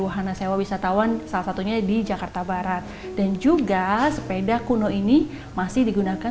wahana sewa wisatawan salah satunya di jakarta barat dan juga sepeda kuno ini masih digunakan